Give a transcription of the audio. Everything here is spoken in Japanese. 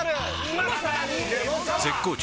絶好調！！